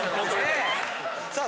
さあ！